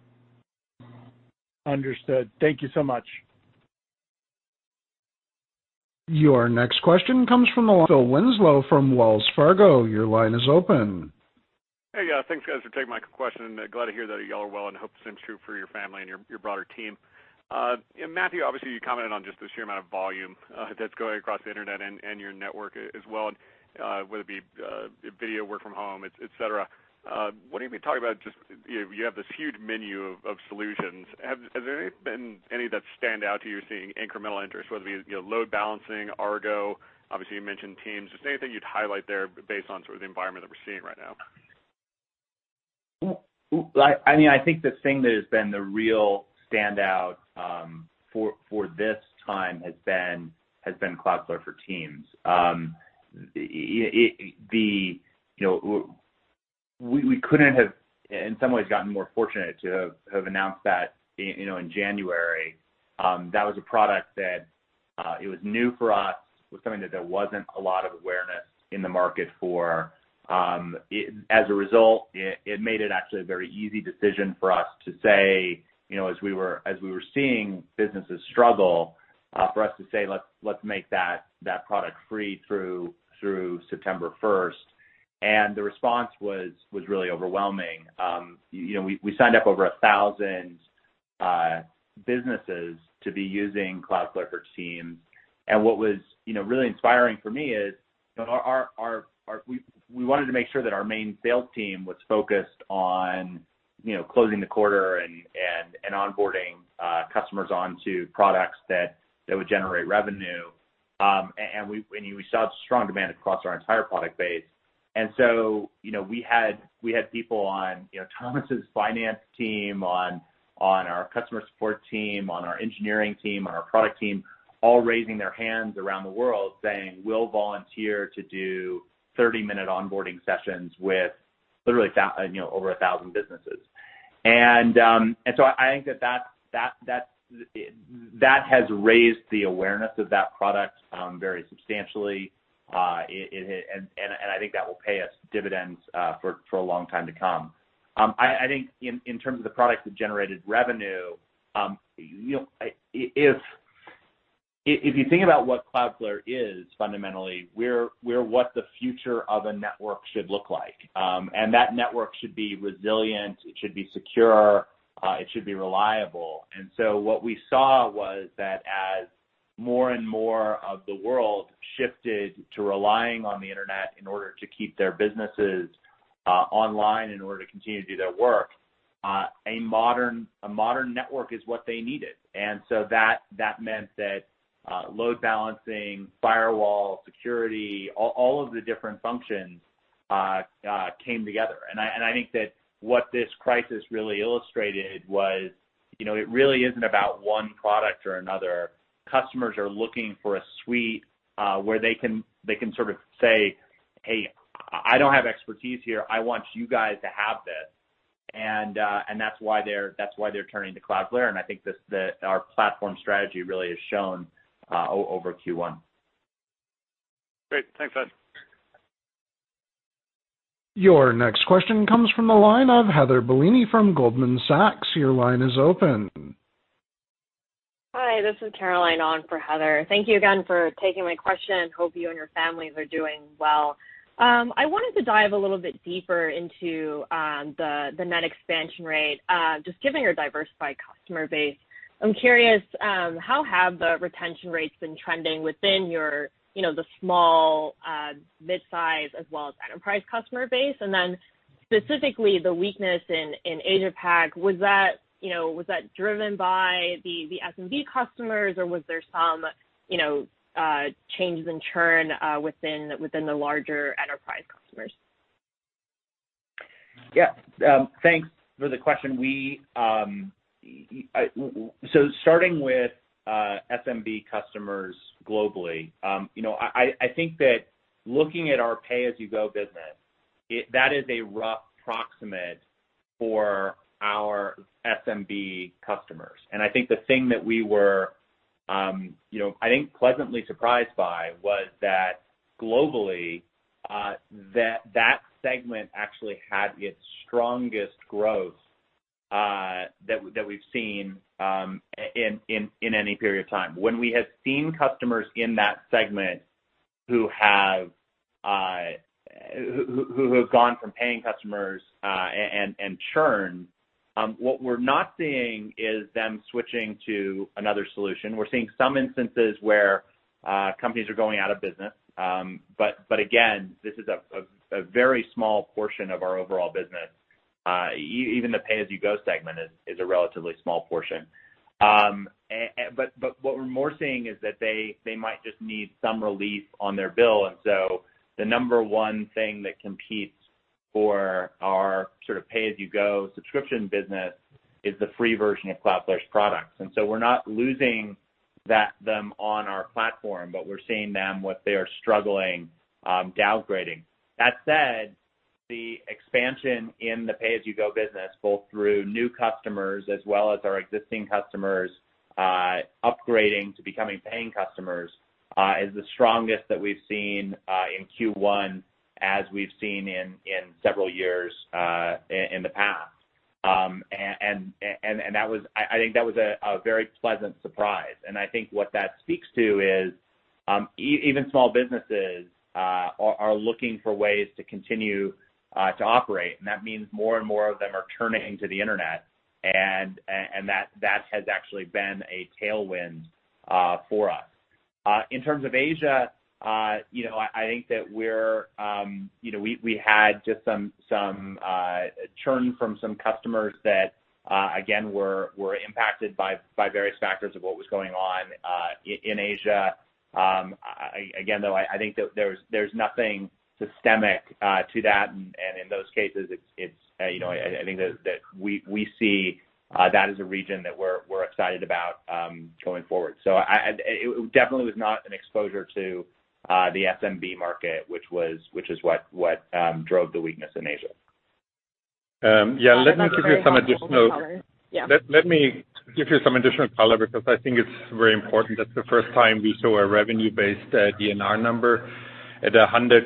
Understood. Thank you so much. Your next question comes from the line of Phil Winslow from Wells Fargo. Your line is open. Hey. Yeah, thanks guys for taking my question, and glad to hear that y'all are well, and hope the same is true for your family and your broader team. Matthew, obviously, you commented on just the sheer amount of volume that's going across the internet and your network as well, whether it be video work from home, et cetera. Wondering if you could talk about just, you have this huge menu of solutions. Has there been any that stand out to you seeing incremental interest, whether it be, you know, load balancing, Argo, obviously you mentioned Teams. Just anything you'd highlight there based on sort of the environment that we're seeing right now? I mean, I think the thing that has been the real standout for this time has been Cloudflare for Teams. You know, we couldn't have in some ways gotten more fortunate to have announced that, you know, in January. That was a product that it was new for us, it was something that there wasn't a lot of awareness in the market for. As a result, it made it actually a very easy decision for us to say, you know, as we were seeing businesses struggle, for us to say, "Let's make that product free through September 1st." The response was really overwhelming. You know, we signed up over 1,000 businesses to be using Cloudflare for Teams. What was, you know, really inspiring for me is, you know, We wanted to make sure that our main sales team was focused on, you know, closing the quarter and onboarding customers onto products that would generate revenue. We saw strong demand across our entire product base. You know, we had people on, you know, Thomas's finance team, on our customer support team, on our engineering team, on our product team, all raising their hands around the world saying, "We'll volunteer to do 30-minute onboarding sessions with literally, you know, over 1,000 businesses." I think that has raised the awareness of that product very substantially. I think that will pay us dividends for a long time to come. I think in terms of the products that generated revenue, you know, if you think about what Cloudflare is fundamentally, we're what the future of a network should look like. That network should be resilient, it should be secure, it should be reliable. What we saw was that as more and more of the world shifted to relying on the internet in order to keep their businesses online, in order to continue to do their work, a modern network is what they needed. That meant that load balancing, firewall, security, all of the different functions came together. I think that what this crisis really illustrated was, you know, it really isn't about one product or another. Customers are looking for a suite, where they can sort of say, "Hey, I don't have expertise here. I want you guys to have this." That's why they're turning to Cloudflare, and I think this, our platform strategy really has shown over Q1. Great. Thanks, guys. Your next question comes from the line of Heather Bellini from Goldman Sachs. Your line is open. Hi, this is Caroline on for Heather. Thank you again for taking my question. Hope you and your families are doing well. I wanted to dive a little bit deeper into the net expansion rate. Just given your diversified customer base, I'm curious, how have the retention rates been trending within your, you know, the small, mid-size, as well as enterprise customer base? Specifically the weakness in Asia Pac, was that, you know, was that driven by the SMB customers? Was there some, you know, changes in churn within the larger enterprise customers? Yeah. Thanks for the question. We, starting with SMB customers globally, you know, I, I think that looking at our pay-as-you-go business, that is a rough proximate for our SMB customers. I think the thing that we were, you know, I think pleasantly surprised by was that globally, that segment actually had its strongest growth that we've seen in any period of time. When we have seen customers in that segment who have gone from paying customers and churned, what we're not seeing is them switching to another solution. We're seeing some instances where companies are going out of business. But again, this is a very small portion of our overall business. Even the pay-as-you-go segment is a relatively small portion. Yeah, but what we're more seeing is that they might just need some relief on their bill. The number one thing that competes for our sort of pay-as-you-go subscription business is the free version of Cloudflare's products. We're not losing them on our platform, but we're seeing them, what they are struggling, downgrading. That said, the expansion in the pay-as-you-go business, both through new customers as well as our existing customers, upgrading to becoming paying customers, is the strongest that we've seen in Q1 as we've seen in several years in the past. I think that was a very pleasant surprise. I think what that speaks to is even small businesses are looking for ways to continue to operate, and that means more and more of them are turning to the internet and that has actually been a tailwind for us. In terms of Asia, you know, I think that we're, you know, we had just some churn from some customers that again, were impacted by various factors of what was going on in Asia. Again, though, I think that there's nothing systemic to that, and in those cases it's, you know, I think that we see that as a region that we're excited about going forward. It definitely was not an exposure to the SMB market, which is what drove the weakness in Asia. Yeah. That's a very helpful color. Let me give you some additional- Yeah. Let me give you some additional color because I think it's very important. That's the first time we saw a revenue-based DBNR number. At 117%,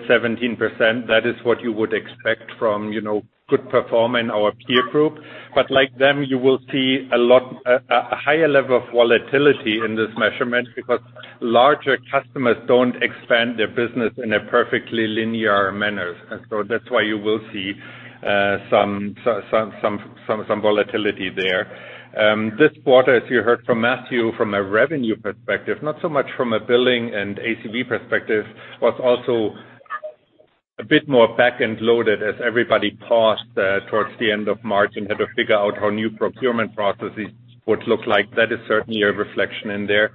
that is what you would expect from, you know, good performance in our peer group. Like them, you will see a higher level of volatility in this measurement because larger customers don't expand their business in a perfectly linear manner. That's why you will see some volatility there. This quarter, as you heard from Matthew from a revenue perspective, not so much from a billing and ACV perspective, was also a bit more back-end loaded as everybody paused towards the end of March and had to figure out how new procurement processes would look like. That is certainly a reflection in there.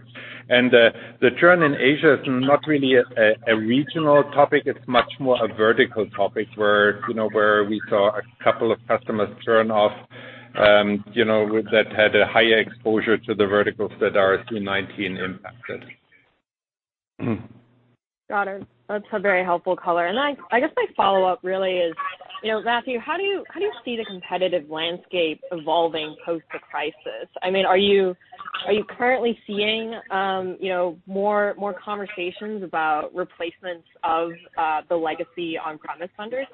The churn in Asia is not really a regional topic, it's much more a vertical topic where, you know, where we saw a couple of customers churn off, you know, that had a higher exposure to the verticals that are C-19 impacted. Got it. That's a very helpful color. I guess my follow-up really is, you know, Matthew, how do you see the competitive landscape evolving post the crisis? I mean, are you currently seeing, you know, more conversations about replacements of the legacy on-premise vendors?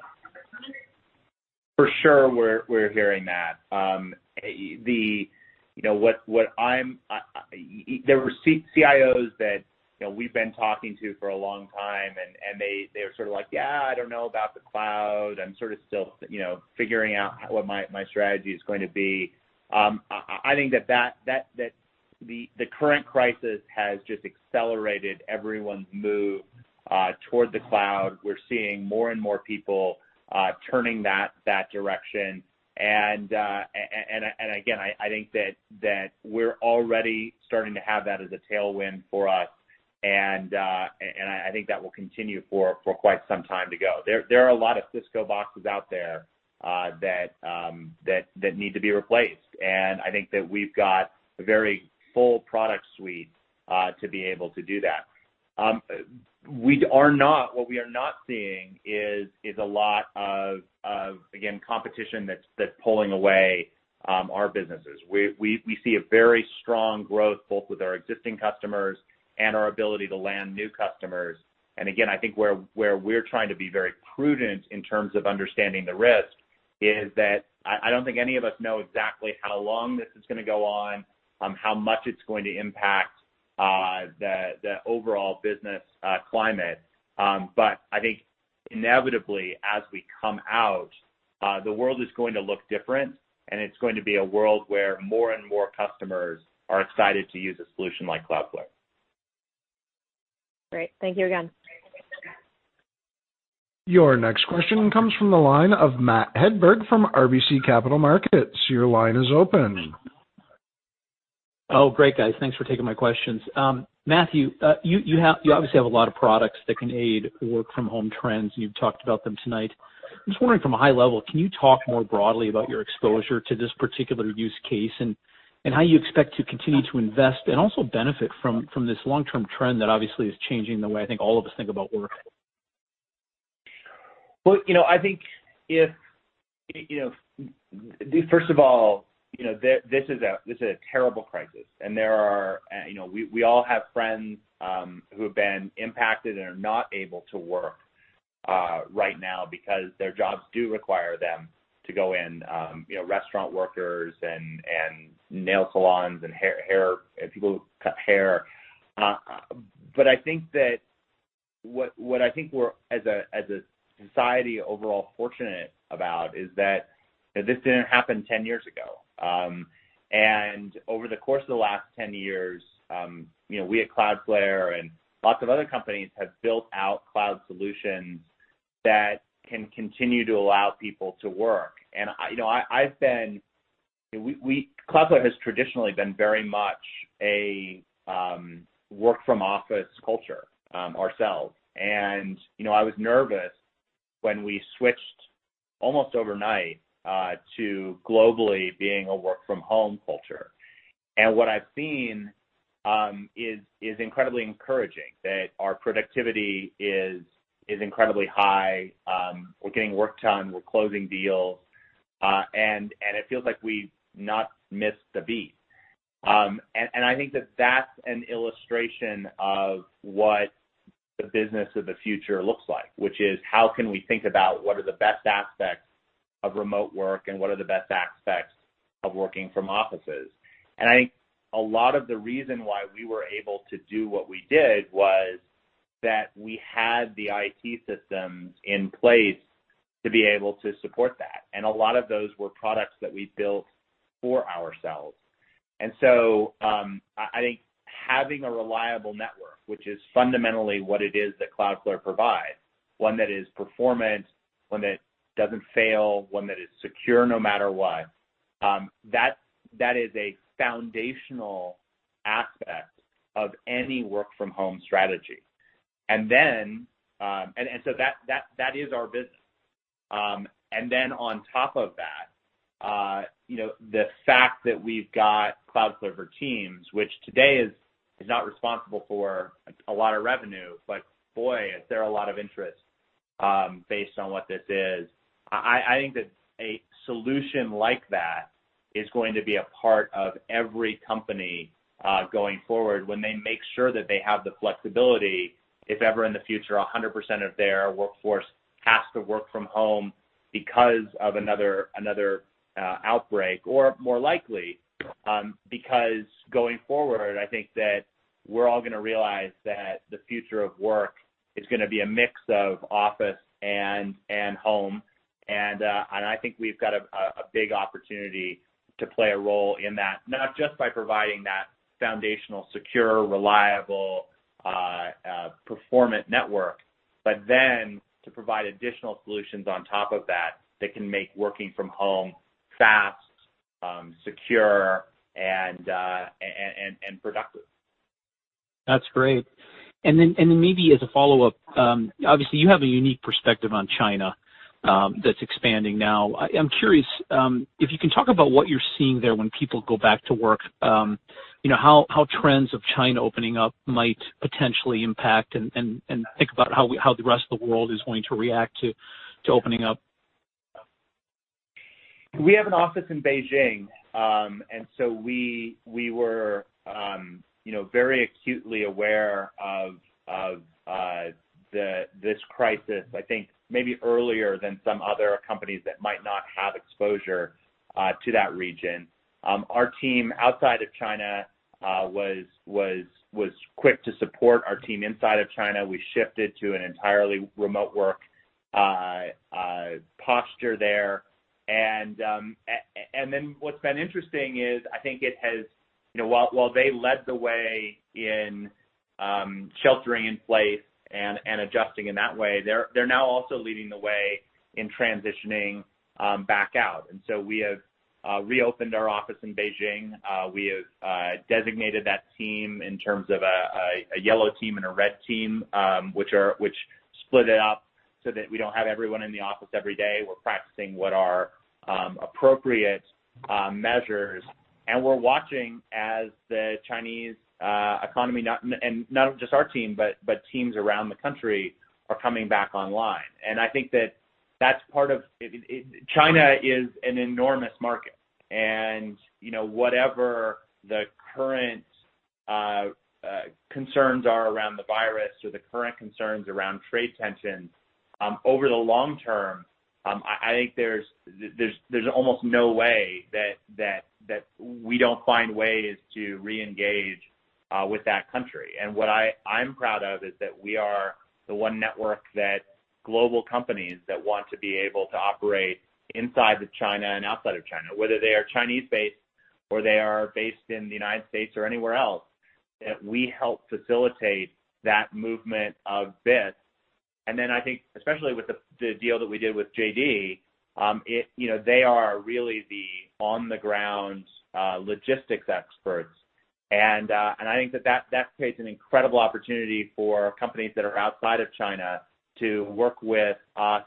For sure, we're hearing that. There were CIOs that, you know, we've been talking to for a long time, and they were sort of like, "Yeah, I don't know about the cloud. I'm sort of still, you know, figuring out what my strategy is going to be." I think that the current crisis has just accelerated everyone's move toward the cloud. We're seeing more and more people turning that direction. Again, I think that we're already starting to have that as a tailwind for us, and I think that will continue for quite some time to go. There are a lot of Cisco boxes out there that need to be replaced, and I think that we've got a very full product suite to be able to do that. What we are not seeing is a lot of again, competition that's pulling away our businesses. We see a very strong growth both with our existing customers and our ability to land new customers. Again, I think where we're trying to be very prudent in terms of understanding the risk is that I don't think any of us know exactly how long this is gonna go on, how much it's going to impact the overall business climate. I think inevitably, as we come out, the world is going to look different and it's going to be a world where more and more customers are excited to use a solution like Cloudflare. Great. Thank you again. Your next question comes from the line of Matt Hedberg from RBC Capital Markets. Your line is open. Oh, great, guys. Thanks for taking my questions. Matthew, you obviously have a lot of products that can aid work from home trends. You've talked about them tonight. I'm just wondering from a high level, can you talk more broadly about your exposure to this particular use case and how you expect to continue to invest and also benefit from this long-term trend that obviously is changing the way I think all of us think about work? I think if, you know first of all, you know, this is a, this is a terrible crisis, and there are, you know, we all have friends, who have been impacted and are not able to work, right now because their jobs do require them to go in, you know, restaurant workers and nail salons and hair, people who cut hair. I think that what I think we're, as a, as a society overall, fortunate about is that, you know, this didn't happen 10 years ago. Over the course of the last 10 years, you know, we at Cloudflare and lots of other companies have built out cloud solutions that can continue to allow people to work. I, you know, I've been Cloudflare has traditionally been very much a work from office culture ourselves. You know, I was nervous when we switched almost overnight to globally being a work from home culture. What I've seen is incredibly encouraging, that our productivity is incredibly high. We're getting work done. We're closing deals. And it feels like we've not missed a beat. And I think that that's an illustration of what the business of the future looks like, which is how can we think about what are the best aspects of remote work and what are the best aspects of working from offices? I think a lot of the reason why we were able to do what we did was that we had the IT systems in place to be able to support that, and a lot of those were products that we built for ourselves. I think having a reliable network, which is fundamentally what it is that Cloudflare provides, one that is performant, one that doesn't fail, one that is secure no matter what, that is a foundational aspect of any work from home strategy. That is our business. On top of that, you know, the fact that we've got Cloudflare for Teams, which today is not responsible for a lot of revenue, but boy, is there a lot of interest based on what this is. I think that a solution like that is going to be a part of every company, going forward when they make sure that they have the flexibility if ever in the future 100% of their workforce has to work from home because of another outbreak, or more likely, because going forward, I think that we're all gonna realize that the future of work is gonna be a mix of office and home. I think we've got a big opportunity to play a role in that, not just by providing that foundational, secure, reliable, performant network, but then to provide additional solutions on top of that can make working from home fast, secure and productive. That's great. Then maybe as a follow-up, obviously you have a unique perspective on China, that's expanding now. I'm curious, if you can talk about what you're seeing there when people go back to work. you know, how trends of China opening up might potentially impact and think about how the rest of the world is going to react to opening up. We have an office in Beijing. We were, you know, very acutely aware of this crisis, I think maybe earlier than some other companies that might not have exposure to that region. Our team outside of China was quick to support our team inside of China. We shifted to an entirely remote work posture there. What's been interesting is I think it has, you know, while they led the way in sheltering in place and adjusting in that way, they're now also leading the way in transitioning back out. We have reopened our office in Beijing. We have designated that team in terms of a yellow team and a red team, which split it up so that we don't have everyone in the office every day. We're practicing what are appropriate measures. We're watching as the Chinese economy, not just our team, but teams around the country are coming back online. I think that that's part of it, China is an enormous market. You know, whatever the current concerns are around the virus or the current concerns around trade tensions, over the long term, I think there's almost no way that we don't find ways to reengage with that country. What I'm proud of is that we are the one network that global companies that want to be able to operate inside of China and outside of China, whether they are Chinese-based or they are based in the United States or anywhere else, that we help facilitate that movement of bits. Then I think especially with the deal that we did with JD, it, you know, they are really the on-the-ground logistics experts. I think that that creates an incredible opportunity for companies that are outside of China to work with us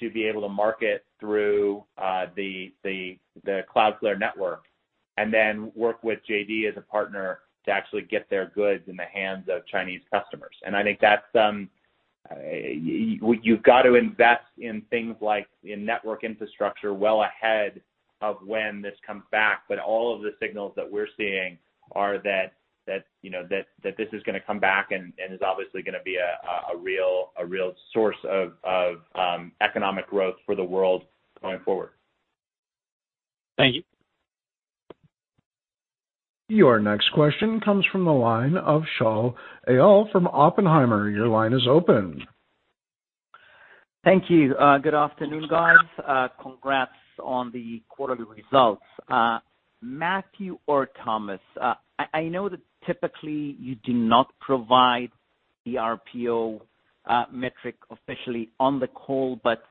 to be able to market through the Cloudflare network, and then work with JD as a partner to actually get their goods in the hands of Chinese customers. I think that's, you've got to invest in things like in network infrastructure well ahead of when this comes back. All of the signals that we're seeing are that, you know, that this is gonna come back and is obviously gonna be a real source of economic growth for the world going forward. Thank you. Your next question comes from the line of Shaul Eyal from Oppenheimer. Your line is open. Thank you. good afternoon, guys. Matthew or Thomas, I know that typically you do not provide the RPO metric officially on the call, but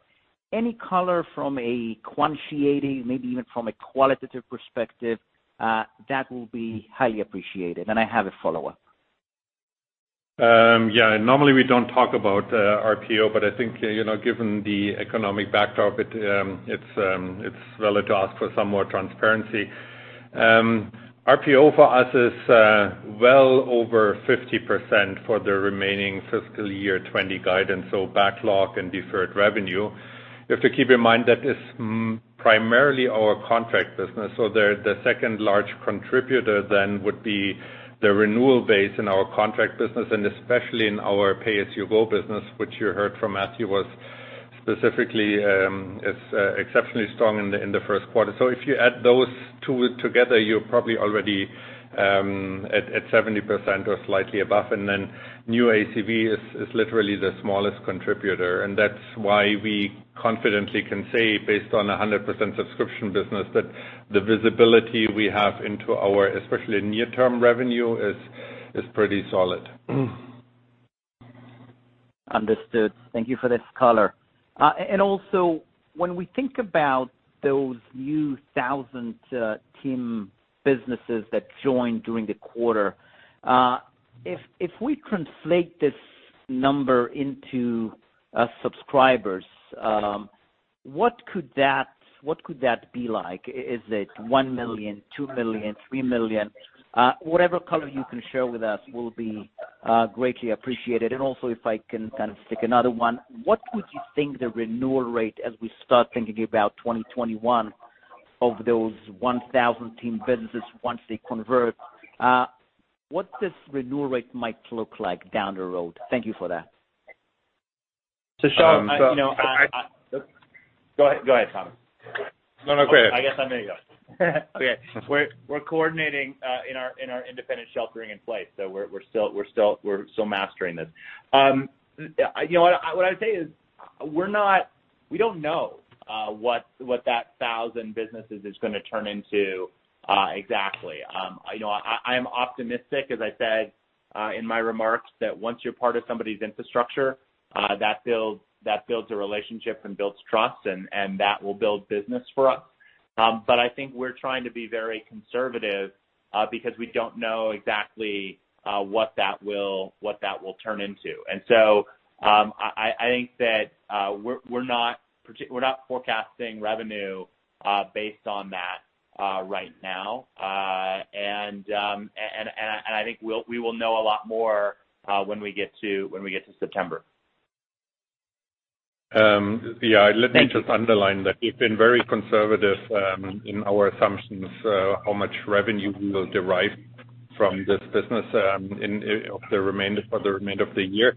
any color from a quantitative, maybe even from a qualitative perspective, that will be highly appreciated. I have a follow-up. Yeah, normally we don't talk about RPO, but I think, you know, given the economic backdrop, it's valid to ask for some more transparency. RPO for us is well over 50% for the remaining fiscal year 2020 guidance, so backlog and deferred revenue. You have to keep in mind that is primarily our contract business, so they're the second large contributor then would be the renewal base in our contract business, and especially in our pay-as-you-go business, which you heard from Matthew was specifically exceptionally strong in the first quarter. If you add those two together, you're probably already at 70% or slightly above. New ACV is literally the smallest contributor, and that's why we confidently can say based on a 100% subscription business, that the visibility we have into our especially near-term revenue is pretty solid. Understood. Thank you for this color. Also when we think about those new 1,000 Teams businesses that joined during the quarter, if we translate this number into subscribers, what could that be like? Is it one million, two million, three million? Whatever color you can share with us will be greatly appreciated. Also, if I can kind of stick another one, what would you think the renewal rate as we start thinking about 2021 of those 1,000 Teams businesses once they convert, what this renewal rate might look like down the road? Thank you for that. Shaul, you know. Go ahead. Go ahead, Thomas. No, no, go ahead. I guess I'm gonna go. Okay. We're coordinating in our independent sheltering in place, so we're still mastering this. You know what I'd say is we don't know what that thousand businesses is gonna turn into exactly. You know, I am optimistic, as I said in my remarks, that once you're part of somebody's infrastructure, that builds a relationship and builds trust and that will build business for us. I think we're trying to be very conservative because we don't know exactly what that will turn into. I think that we're not forecasting revenue based on that right now. I think we will know a lot more, when we get to September. Yeah. Thank you Let me just underline that we've been very conservative, in our assumptions, how much revenue we will derive from this business, in, of the remainder, for the remainder of the year.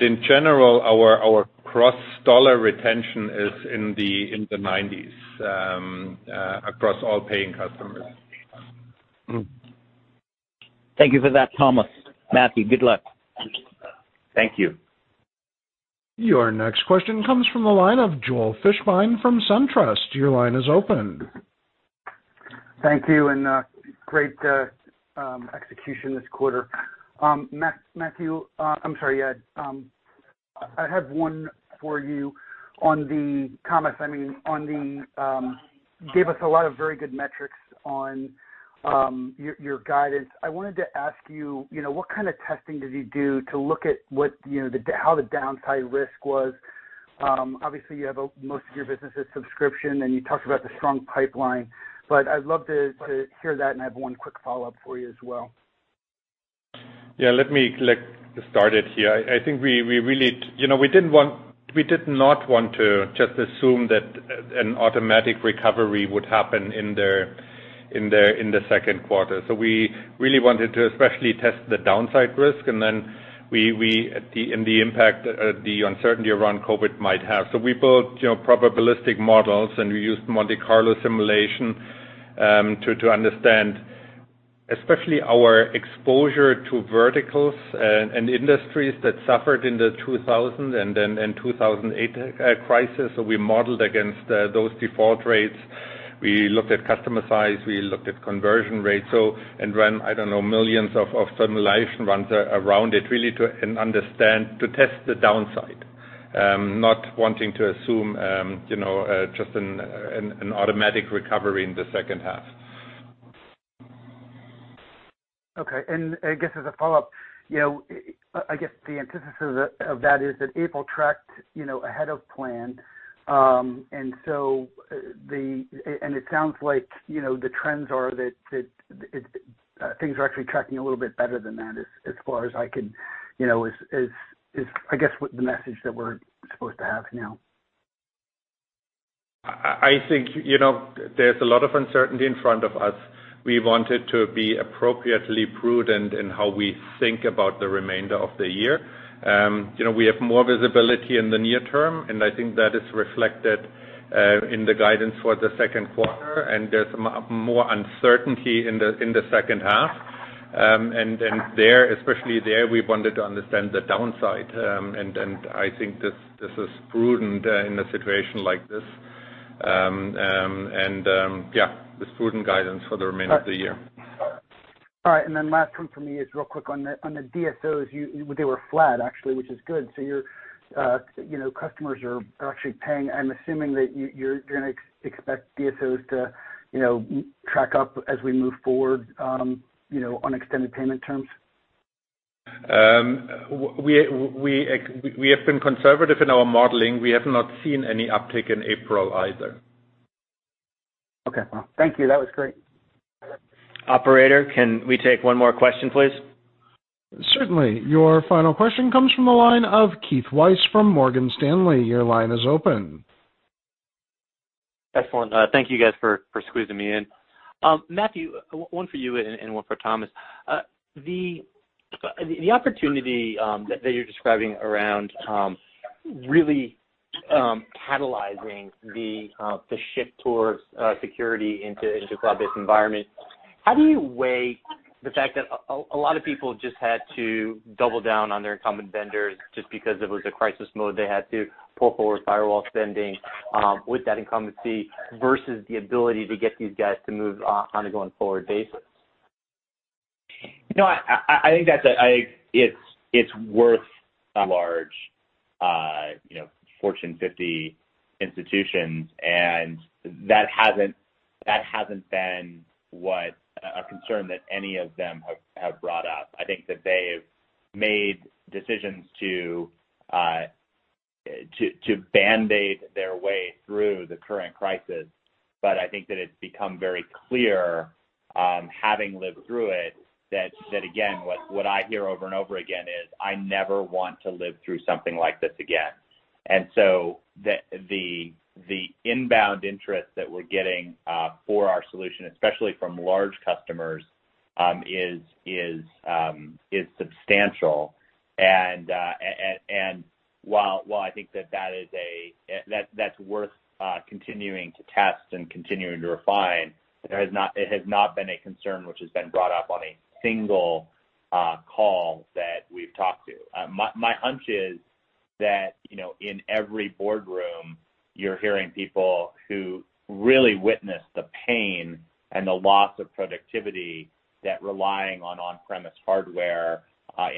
In general, our gross-dollar retention is in the 90s, across all paying customers. Thank you for that, Thomas. Matthew, good luck. Thank you. Your next question comes from the line of Joel Fishbein from SunTrust. Your line is open. Thank you and great execution this quarter. Matthew, I'm sorry, yeah, I have one for you on the comments, I mean, on the, gave us a lot of very good metrics on your guidance. I wanted to ask you know, what kind of testing did you do to look at what, you know, the, how the downside risk was? Obviously you have most of your business is subscription, and you talked about the strong pipeline, but I'd love to hear that, and I have one quick follow-up for you as well. Yeah, let me like start it here. I think we really you know, we did not want to just assume that an automatic recovery would happen in the second quarter. We really wanted to especially test the downside risk and then we at the impact the uncertainty around COVID might have. We built, you know, probabilistic models, and we used Monte Carlo simulation to understand especially our exposure to verticals and industries that suffered in the 2000 and then, and 2008 crisis. We modeled against those default rates. We looked at customer size, we looked at conversion rates, and ran, I don't know, millions of simulation runs around it really to and understand to test the downside, not wanting to assume, you know, just an automatic recovery in the second half. Okay. I guess as a follow-up, you know, I guess the antithesis of that is that April tracked, you know, ahead of plan. It sounds like, you know, the trends are that things are actually tracking a little bit better than that as far as I can. You know, is I guess what the message that we're supposed to have now? I think, you know, there's a lot of uncertainty in front of us. We wanted to be appropriately prudent in how we think about the remainder of the year. You know, we have more visibility in the near term, and I think that is reflected in the guidance for the second quarter, and there's more uncertainty in the second half. There, especially there, we wanted to understand the downside. I think this is prudent in a situation like this. The prudent guidance for the remainder of the year. Last one from me is real quick on the DSOs, they were flat actually, which is good, so you're, you know, customers are actually paying. I'm assuming that you're gonna expect DSOs to, you know, track up as we move forward, you know, on extended payment terms? We have been conservative in our modeling. We have not seen any uptick in April either. Okay. Well, thank you. That was great. Operator, can we take one more question, please? Certainly. Your final question comes from the line of Keith Weiss from Morgan Stanley. Your line is open. Excellent. Thank you, guys, for squeezing me in. Matthew, one for you and one for Thomas. The opportunity that you're describing around really catalyzing the shift towards security into cloud-based environment, how do you weigh the fact that a lot of people just had to double down on their incumbent vendors just because it was a crisis mode, they had to pull forward firewall spending, with that incumbency versus the ability to get these guys to move on a going forward basis? No, I think that's worth large, you know, Fortune 50 institutions, and that hasn't been what a concern that any of them have brought up. I think that they've made decisions to band-aid their way through the current crisis. I think that it's become very clear, having lived through it, that again, what I hear over and over again is, "I never want to live through something like this again." The inbound interest that we're getting for our solution, especially from large customers, is substantial. While I think that that is a, that's worth continuing to test and continuing to refine, it has not been a concern which has been brought up on a single call that we've talked to. My hunch is that, you know, in every boardroom, you're hearing people who really witnessed the pain and the loss of productivity that relying on on-premise hardware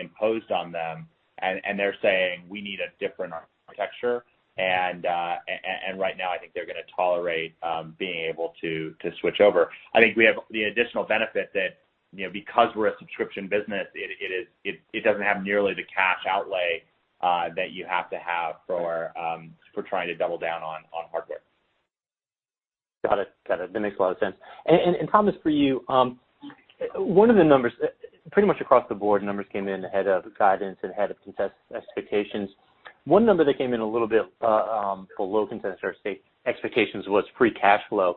imposed on them, and they're saying, "We need a different architecture." Right now I think they're gonna tolerate being able to switch over. I think we have the additional benefit that, you know, because we're a subscription business, it doesn't have nearly the cash outlay that you have to have for trying to double down on hardware. Got it. That makes a lot of sense. Thomas, for you, one of the numbers, pretty much across the board, numbers came in ahead of guidance and ahead of consensus expectations. One number that came in a little bit below consensus or expectations was free cash flow.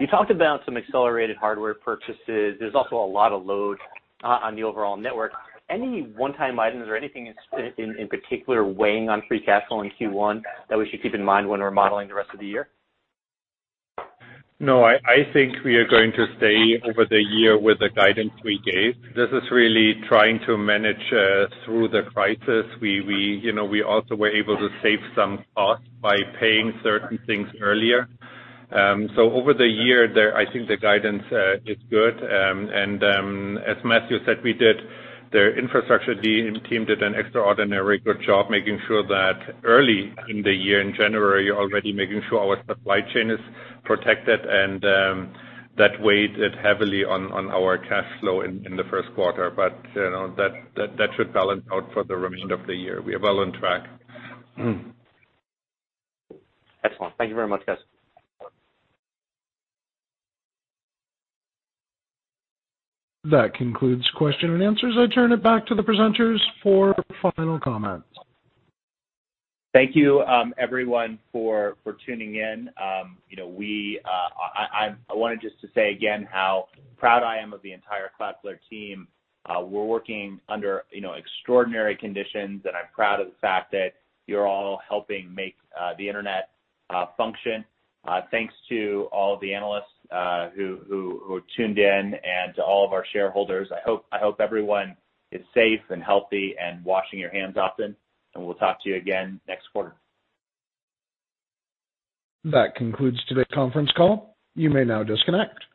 You talked about some accelerated hardware purchases. There's also a lot of load on the overall network. Any one-time items or anything in particular weighing on free cash flow in Q1 that we should keep in mind when we're modeling the rest of the year? No, I think we are going to stay over the year with the guidance we gave. This is really trying to manage through the crisis. We, you know, we also were able to save some costs by paying certain things earlier. Over the year there, I think the guidance is good. As Matthew said, the infrastructure team did an extraordinary good job making sure that early in the year, in January, already making sure our supply chain is protected, and that weighed heavily on our cash flow in the first quarter. You know, that should balance out for the remainder of the year. We are well on track. Excellent. Thank you very much, guys. That concludes question and answers. I turn it back to the presenters for final comments. Thank you, everyone for tuning in. You know, we, I wanted just to say again how proud I am of the entire Cloudflare team. We're working under, you know, extraordinary conditions, and I'm proud of the fact that you're all helping make the internet function. Thanks to all of the analysts who tuned in, and to all of our shareholders. I hope everyone is safe and healthy and washing your hands often, and we'll talk to you again next quarter. That concludes today's conference call. You may now disconnect.